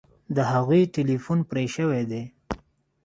د هغوی ټیلیفون پرې شوی دی